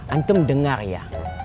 antum dengar ya